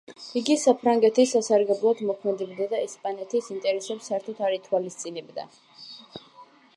იგი საფრანგეთის სასარგებლოდ მოქმედებდა და ესპანეთის ინტერესებს საერთოდ არ ითვალისწინებდა.